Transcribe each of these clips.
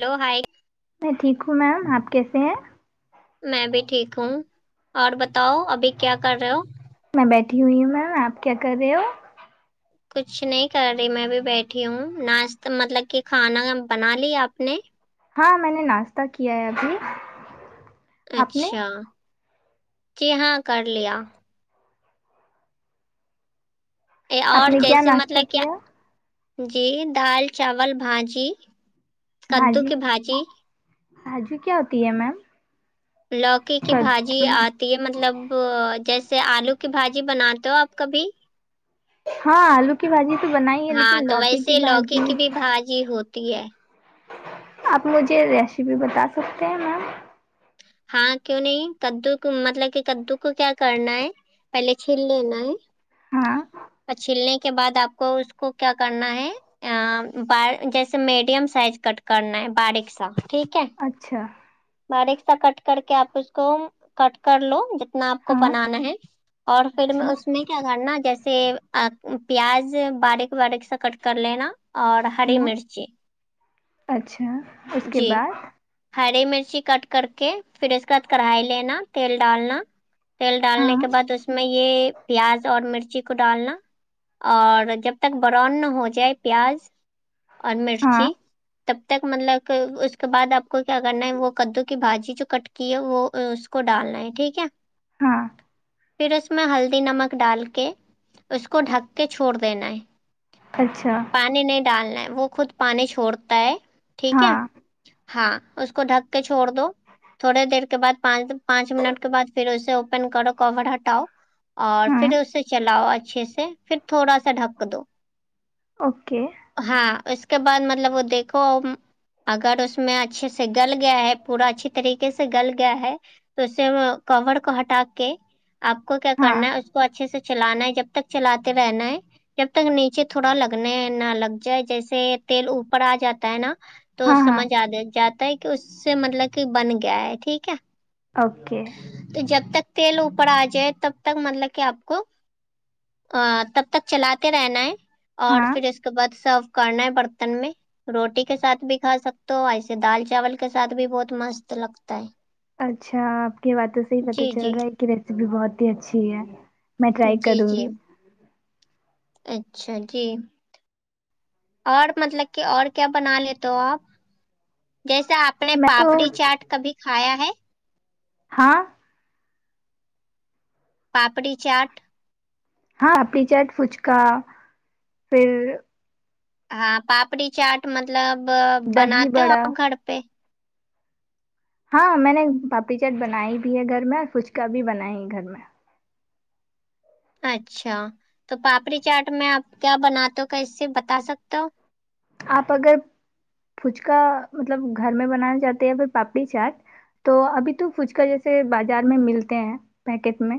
hello hi میں ٹھیک ہوں میم اپ کیسے ہیں میں بھی ٹھیک ہوں اور بتاؤ ابھی کیا کر رہے ہو میں بیٹھی ہوئی ہوں میم اپ کیا کر رہے ہو کچھ نہیں کر رہی میں بھی بیٹھی ہوں ناشتہ مطلب کہ کھانا بنا لی اپ نے ہاں میں نے ناشتہ کیا ہے ابھی آپ نے اچھا جی ہاں کر لیا آپ اور نے کیا جیسے ناشتہ مطلب کہ کیا جی دال چاول بھاجی کدو کی بھاجی بھاجی کیا ہوتی ہے میم لوکی کی کدو بھاجی مطلب جیسے الو کی بھاجی بناتے ہو اپ کبھی ہاں الو کی بھاجی تو بنائی ہے لیکن لوکی کی بھاجی بھا جی ہوتی ہے اپ مجھے ریسیپی بتا سکتے ہیں میم ہاں کیوں نہیں کدو کو مطلب کہ کدو کو کیا کرنا ہے پہلے چھیل لینا ہے ہاں اور چھیلنے کے بعد اپ کو اس کو کیا کرنا ہے آ بآ جیسے میڈیم سائز کٹ کرنا ہے باریک سا ٹھیک ہے اچھا باریک سا کٹ کر کے آپ اس کو کٹ کر لو ج نا آپ کو ہاں بنانا ہے اور پھر میں اچھا اس میں کیا کرنا جیسے پیاز باریک باریک سا کٹ کر لینا اور ہری ہاں مرچی اچھا اس کے جی بعد ہری مرچی کٹ کر کے پھر اس کے عد کڑھائی لینا تیل ڈالنا تیل ہاں ڈالنے کے بعد اس میں یہ پیاز اور مرچی کو ڈالنا اور جب تک برن نہ ہو جائے پیاز اور ہاں مرچی تب تک مطلب اس کے بعد آپ کو کیا کرنا ہے وہ کدو کی بھجی جو کٹ کی ہے وہ اس کو ڈالنا ہے ٹھیک ہے ہاں پھر اس میں ہلدی نمک ڈال کے اس کو ڈھک کے چھوڑ دینا ہے اچھا پانی نہیں ڈالنا ہے وہ خود پانی چھوڑتا ہے ٹھیک ہاں ہے ہاں اس کو ڈھک کے چھوڑ دو تھوڑے دیر کے بد پانچ پانچ منٹ کے بد پھر اسے اوپن کرو کور ہٹاؤ اور ہاں پھر اسے چلاؤ اچھے سے پھر تھوڑا سا ڈھک دو اوکے ہاں اس کے بعد مطلب وہ دیکھو اگر اس میں اچھے سے گل گیا ہے پورا اچھی طریقے سے گل گیا ہے تو اس سے کور کو ہٹا کے آپ کو کیا ہاں کرنا ہے اس کو اچھے سے چلانا ہے جب تک چلاتے رہنا ہے جب تک نیچے تھوڑا لگنے نہ لگ جائے جیسے تیل اوپر آ جاتا ہے نا تو ہاں ہاں سمجھ آ جاتا ہے کہ اس سے مطلب کہ بن گیا ہے ٹھیک ہے اوکے تو جب تک تیل اوپر آ جائے تب تک مطلب کہ آپ کو ا تب تک چلاتے رہنا ہے اور ہاں پھر اس کے بعد سرو کرنا ہے برتن میں روٹی کے ساتھ بھی کھا سکتے ہو ایسے دال چاول کے ساتھ بھی بہت مست لگتا ہے اچھا آپ کی باتوں سے ہی پتا جی چل جی رہا ہے کہ ریسیپی بہت ہی اچھی ہے میں ٹرائی جی کروں جی گی اچھا جی اور مطلب کہ اور کیا بنا لیتے آپ جیسے آپ اپ نے میں تو پاپڑی چاٹ کبھی کھایا ہے ہاں پاپڑی چاٹ ہاں اپی چاٹ فچکا پھر ہاں پاپڑی چاٹ مطلب دہی بناتے ہو بڑا آپ گھر پہ ہاں میں نے پاپڑی چٹ بنائی بھی ہے گھر میں اور فچکا بھی بنایا ہے گھر میں اچھا تو پاپڑی چاٹ میں آپ کیا بناتے ہو ک اس سے بتا سکتے ہو آپ اگر پچکا مطلب گھر میں بنانا چاہتے ہیںیا پھر پاپڑی چاٹ تو ابھی تو فھچک جیسے بازار میں ملتے ہیں پیکیٹ میں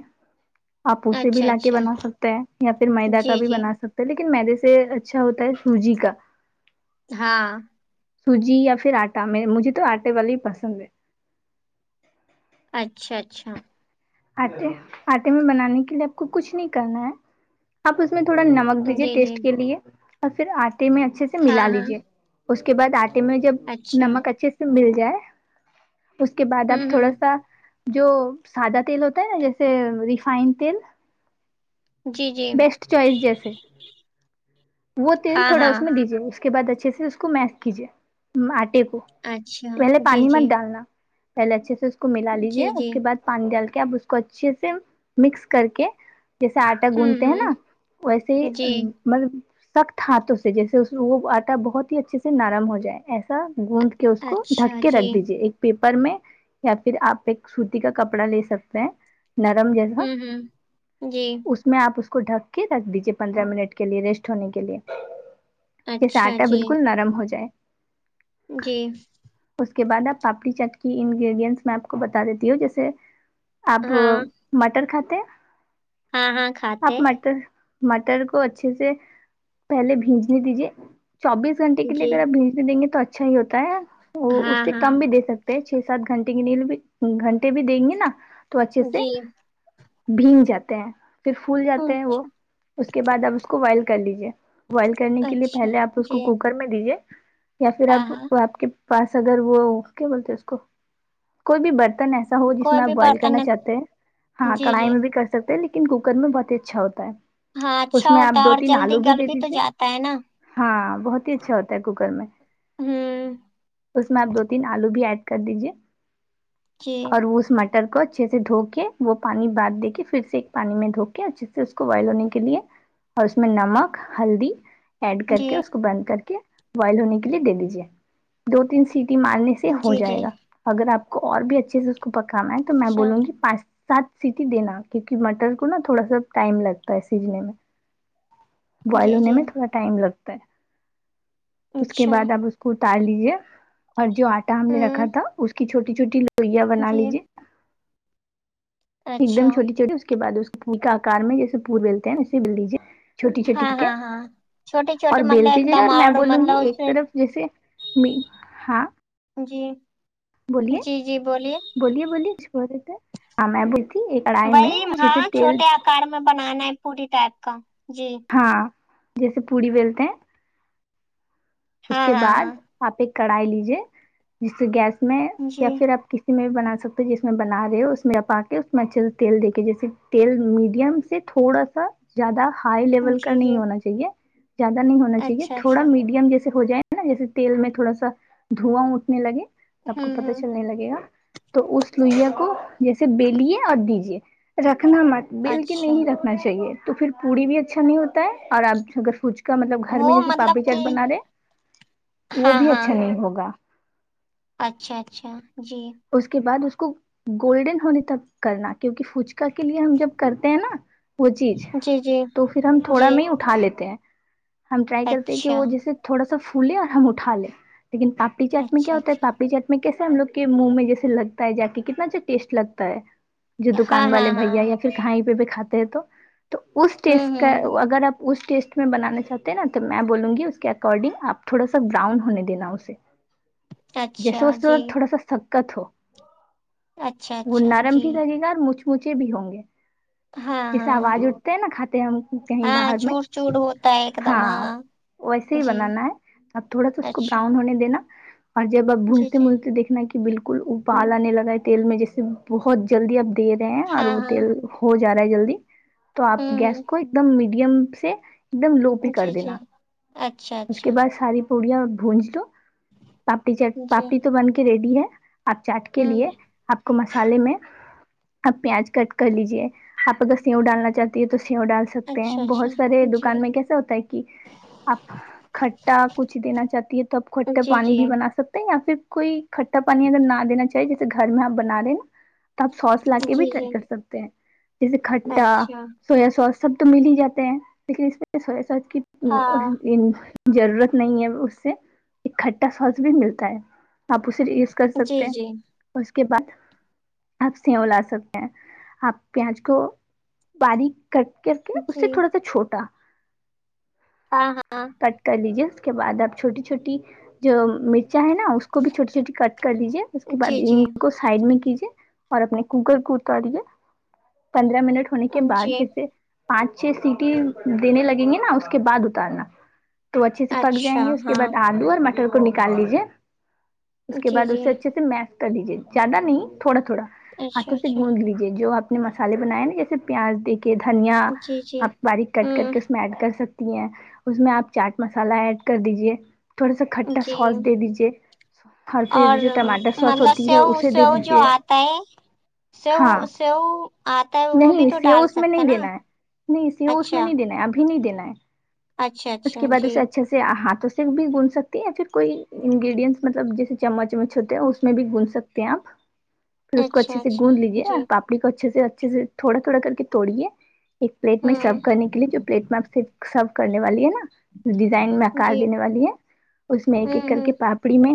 آپ اسے بھی اچھا لا کے اچھا بنا سکتا ہیں یا پھر میدا کا جی بھی جی بنا سکتے لیکن میدے سے اچھا ہوتا ہے سوجی کا ہاں سوجی یا پھر آٹا م مجھے تو آٹے والے ہی پسند ہے اچھا اچھا آٹے آٹے میں بنانے کے لیے آپ کو کچھ نہیں کرنا ہے آپ اس میں تھوڑا نمک دیجیے جی جی ٹیسٹ کے لیے اور پھر آٹے میں اچھے سے ہاں ملا ہاں لیجیے اس کے بعد آٹے جب اچھا نمک اچھے سے مل جائے اس کے بعد آپ ہوں تھوڑا ہوں سا جو سادہ تیل ہوتا ہے نا جیسے ریفائنڈ تیل جی جی بیسٹ چوائس جیسے وہ تیل ہاں تھوڑا ہاں اس میں دیجیے اس کے بعد اچھے سے اس کو میس کیجیے آٹے کو اچھا پہلے جی پانی جی مت ڈالنا پہلے اچھے سے اس کو ملا لیجیے جی اس جی کے بعد پانی ڈال کے اب اس کو اچھے سے مکس کر کے جیسے آٹا ہوں گندتے ہیں نا ہوں ویسے ہی جی مطلب سخت ہاتھوں سے جیسے وہ آٹا بہت ہی اچھے سے نرم ہو جائے ایسا گوند کہ اس کو اچھا ڈھک کے جی رکھ دیجیے ایک پیپر میں یا پھر آپ ایک سوتی کا کپڑا لے سکتے ہیں نرم جیسا ہوں ہوں جی اس میں آپ اس کو ڈھک کے رکھ دیجے پندرہ منٹ کے لیے ریسٹ ہونے کے لیے جیسے اچھا آٹا جی بالکل نرم ہو جائے جی اس کے بعد آپ پاپڑی چاٹ کی انگریڈینٹس میں آپ کو بتا دیتی ہوں جیسے آپ ہاں مٹر کھاتے ہیں ہاں ہاں آپ کھاتے مٹر مٹر کو اچھے سے پہلے بھیگنے دیجیے چوبیس گھنٹے کے لیے جی اگر آپ بھیگنے دیں گے تو اچھا ہی ہوتا ہے وہ ہاں اس سے ہاں کم بھی دے سکتے ہیں چھ سات گھنٹے کی نیل بھی گھنٹے بھی دیں گے نا تو اچھے سے جی بھیگ جاتے ہیں پھر پھول جاتے ہوں، ہیں وہ اس کے بعد آپ اس کو بوائل کر لیجیے بوائل کرنے کے لیے اچھا پہلے آپ اس جی کو کوکر میں دیجیے یا پھر ہاں ہاں آپ آپ کے پاس اگر وہ کیا بولتے اس کو کوئی بھی برتن ہے ایسا ہو جس کوئی میں آپ بھی بوائل برتن کرنا نہ- چاہتے ہیں ہاں جی کڑھائی جی میں بھی کر سکتے ہیں لیکن کوکر میں بہت ہی اچھا ہوتا ہے ہاں اس اچھا میں ہوتا آپ ہے دو اور تین جلدی آلو گل دے بھی تو دیجیے جاتا ہے نا ہاں بہت ہی اچھا ہوتا ہے کوکر میں ہوں اس میں آپ دو تین آلو بھی ایڈ کر دیجیے جی اور وہ اس م ٹر کو اچھے سے دھو کے وہ پانی باند دے کے پھر سے ایک پانی میں دھو کے اچھے سے اس کو بوائل ہونے کے لیے اور اس میں نمک ہلدی ایڈ کر جی کے اس کو بند کر کے بوائل ہونے کے لیے دے دیجیے دو تین سیٹی مارنے سے ہو جی جی جائے گا اگر آپ کو اور بھی اچھے سے اس کو پکانا ہے تو میں اچھا بولوں گی پانچ سات سیٹی دینا کیونکہ مٹر کو نا تھوڑا سا ٹائم لگتا ہے سیجنے میں بوائل جی ہونے جی میں تھوڑا ٹائم لگتا ہے اس کے اچھا بعد آپ اس کو اتار لیجے اور جو آٹا ہم نے رکھا ہوں تھا اس کی چھوٹی چھوٹی لوئیاں بنا جی لیجے ایک دم اچھا چھوٹی چھوٹی اس کے بعد اس پوری کے آکار میں جیسے پوری بلتے ہیں نا اسے بیل لیجیے چھوٹی چھوٹی ہاں کے ہاں ہاں چھوٹی اور چھوٹی مطلب بیلتے ایک جائیے دم اور میں بولوں گی مطلب اس ایک سے طرف جیسے می ہاں جی بولیے جی جی بولیے بولیے بولئے چھوڑ دیتے ہیں ا میں بولتی وہی ہاں چھوٹے آکار میں بنانا ہے پوری ٹائپ کا جی ہاں جیسے پوری بیلتے ہیں اس ہاں کے ہاں بعد ہاں آپ ایک کڑھائی لیجیے جس سے گیس میں یا جی پھر آپ کسی میں بھی بنا سکتے جس میں بنا رہے ہو اس میں اپ آ کے اس میں اچھے سے تیل دے کے جیے تیل میڈیم ایک تھوڑا سا زیادہ ہائی لیول کا جی نہیں جی ہونا چاہیے زیادہ نہیں ہونا چاہیے اچھا تھوڑا اچھا میڈیم جیسے ہو جائے نا جیسے تیل میں تھوڑا سا دھواں اٹھنے لگے سب کو ہوں پتہ ہوں چلنے لگے گا تو اس لوئییا کو جیسے بلیے اور دیجے رکھنا مت بیل کے اچھا نہیں رکھنا چاہیے تو پھر پوڑی بھی اچھا نہیں ہوتا ہے اور آپ اگر فج کا مطلب گھر میں وہ جیسے پاپڑی مطلب چاٹ کہ بنا رہے وہ ہاں بھی ہاں اچھا نہیں ہوگا اچھا اچھا جی اس کے بعد اس کو گولڈن ہونے تک کرنا کیونکہ فچکا کے لیے ہم جب کرتے ہیں نا وہ چیز جی جی تو پھر ہم تھوڑا جی میں اٹھا لیتے ہیں ہم ٹرائی کرتے ہیں کہ اچھا وہ جیسے تھوڑا سا پھولے اور ہم اٹھا لیں لیکن پا پڑی چاٹ میں کیا اچھا ہوتا ہے اچھا پاپڑی چاٹ میں کیسے ہم لوگ کے منہ میں جیسے لگتا ہے جا کے کتنا اچھا ٹیسٹ لگتا ہے جو ہاں دکان ہاں والے ہاں بھیا یا پھر کہیں پہ بھی کھاتے ہیں تو اس ٹیسٹ ہوں کا ہوں اگر آپ اس ٹیسٹ میں بنانا چاہتے ہیں نا تو میں بولوں گی اس کے اکارڈنگ آپ تھوڑا سا براؤن ہونے دینا اسے جیسے اچھا وسے جی تھوڑا سا سکت ہو اچھا وہ اچھا نرم جی بھی لگے گا اور مچ مچے بھی ہوں گے ہاں جیسے ہاں آواز اٹھتے ہیں نا کھاتے ہے ہم کہیں ہاں باہر میں چوور چوور ہوتا ہے ایک دم ہاں ویسے ہی جی بنانا ہے اب تھوڑا سا اس کو اچھا براؤن ہونے دینا اور جب اب جی بھنتے جی بھنتے دیکھنا کہ بالکل ابال آنے لگا ہے تیل میں جیسے بہت جلدی آپ دے رہے ہیں اور ہاں وہ ہاں تیل ہو جا رہا ہے جلدی تو آپ ہوں گیس کو ایک دم میڈیم سے ایک دم لو پہ ہوں کر جی جی دینا اچھا اس کے اچھا بعد ساری پوڑیاں اور بھونج لو پاپٹی جی پاپٹیی تو بن کے ریڈی ہے آپ چاٹ کے ہوں لیے آپ کو مسالے میں آپ پیاز کٹ کر لیجیے آپ اگر سیو ڈالنا چاہتی ہے تو سیو ڈال سکتے ہیں اچھا اچھا بہت سارے جی دکان میں کیسے ہوتا ہے کہ آپ کھٹا کچھ دینا چاہتی ہے تو آپ کھٹا جی پانی بھی بنا سکتے ہیں یا پھر کوئی کھٹا پانی اگر نہ دینا چاہیے جیسے گھر میں آپ بنا رہے ہیں نا آپ سوس لا جی کے بھی جی ٹرائی کر جی سکتے ہیں جیسے کھٹا اچھا سویا سوس سب تو مل ہی جاتے ہیں لیکن اس میں سویا سوس کی ہاں ضرورت نہیں ہے اس سے ایک کھٹا سوس بھی ملتا ہے آپ اسے یوز کر جی سکتے ہیں جی اور اس کے بعد آپ سیو لا سکتے ہیں آپ پیاز کو باریک کٹ کر کے اس جی سے تھوڑا سا چھوٹا ہاں ہاں کٹ کر لیجے اس کے بعد آپ چھوٹی چھوٹی جو مرچا ہے نا اس کو بھی چھوٹی چھوٹی کٹ کر لیجے اس کے جی بعد جی ان کو سائڈ میں کیجے اور اپنے کوکر کو اتارے پندرہ منٹ ہونے کے بعد جی جیسے پانچ چھ سیٹی دینے لگیں گے نا اس کے بعد اتارنا تو اچھے سے پک اچھا جائیں گے اس کے ہاں بعد آلو اور مٹر کو نکال لیجیے اس کے جی بعد جی اسے اچھے سے م کر لیجیے زیادہ نہیں تھوڑا تھوڑا اچھا ہاتھوں سے اچھا گوند لی جی جو آپ نے مسالے بنائے نا جیسے پیاز دیک کہ دھنیا جی جی آپ باریک کٹ کر کے ہوں اس میں ایڈ کر سکتی ہیں اس میں آپ چاٹ مسالہ ایڈ کر دیجے تھوڑا سا کھٹا جی سوس دے دیجے اور مطلب سیو اسے دے سیو جو دیجیے آتا ہے سیو ہاں سیو آتا ہے وہ بھی نہیں تو سیو ڈال اس میں سکتا نہیں ہے نا دینا نہیں سی وہ اس میں اچھا نہیں دینا ہے ابھی نہیں دینا ہے اچھا اس اچھا کے بعد جی اسے اچھا سے ہاتھوں سے بھی گوند سکتی ہیں یا پھر کوئی انگریڈینٹس مطلب جیسے چمچ مچ ہوتے ہیں اس میں بھی گون سکتے ہیں آپ پھر اس کو اچھے اچھا سے اچھا گوند لیجیے جی اور پاپڑی کو اچھے سے اچھے سے تھوڑا تھوڑا کر کے توڑیے ایک پلیٹ میں سرو ہوں کرنے کے لیے جو پلیٹ میں آپ سے سرو کرنے والی ہے نا ڈیزائن میں آکار جی دینے والی ہے اس میں ایک ایک ہوں کر کے ہوں پاپ ڑی میں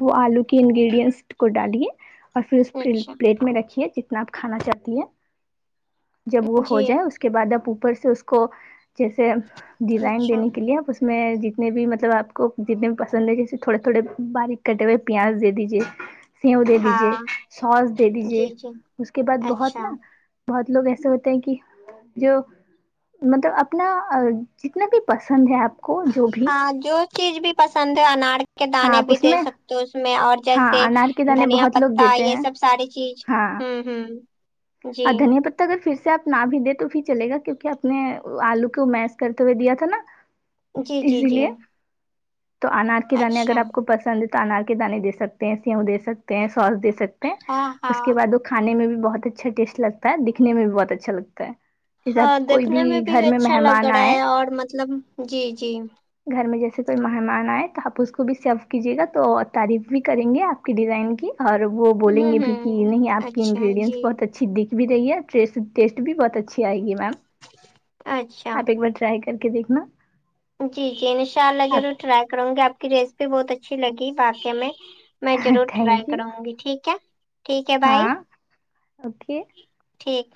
وہ آلو کی انگریڈینس کو ڈالیں اور پھر اس پلے اچھا پلیٹ میں رکھیں جس میں آپ کھانا چاہتی ہے جب وہ ہو جی جائے اس کے بعد آپ اوپر سے اس کو جیسے ڈیزائن اچھا دینے کے لیے آپ اس میں جتنے بھی مطلب آپ کو جتنے بھی پسند ہے جیسے تھوڑے تھوڑے باریک کٹے ہوئے پیاز دے دیجئے سیو دے دیجئیے ہاں سوس دے دیجئیے جی جی اس کے بعد بہت اچھا ناں بہت لوگ ایسے ہوتے ہیں کہ جو مطلب اپنا جتنا بھی پسند ہے آپ کو جو بھی ہاں جو چیز بھی پسند ہے انار کے ہاں دانے آپ بھی اس دے میں سکتے ہو اس میں اور ہاں جیسے انار کے دانے دھنیا بہت لوگ پتا دیتے یہ ہیں سب ساری چیز ہاں ہمم ہمم جی دھنیا پتا اگر فر سےآ پ نہ بھی دیں تو فر چلیں گا کیونکہ اپنے آلو کے میس کرتے ہوئے دیا تھا نا جی جی اسی لیے جی تو انار کے دانے اگر اچھا آپ کو پسند ہے تو انار کے دانے دے سکتے ہیں سیو دے سکتے ہیں سوس دے سکت تے ہاں اس ہاں کے بعد وہ کھانے میں بھی بہت اچھا ٹیسٹ لگتا ہے دکھنے میں بھی بہت اچھا لگتا ہے جیسے ہاں آپ کوئی دیکھنے میں بھی گھر اچھا لگ مہمان رہا آئے ہے اور مطلب جی جی گھر میں جیسے کوئی مہمان آئے تو آپ اس کو بھی سیرو کیجیے گا تو اور تعریف بھی کریں گے آپ کی ڈیزائن کی اور وہ بولیں ہوں گے بھی کی ہوں نہیں آپ کی اچھا انگریڈینس جی بہت اچ ھی دکھ بھی رہی ہے سیٹ ٹیسٹ بھی بہت اچھی آئے گی میم اچھا آپ ایک بار ٹ راۓ کر کے دیکھنا جی جی انشاء اللہ ضرور آپ ٹرائی کروں گی آپ کی ریسیپی بہت اچھی لگی واقع میں میں ضرور ٹرائی تھینک یو کروں گی ٹھیک ہے ٹھیک ہے بائی ہاں اوکے ٹھیک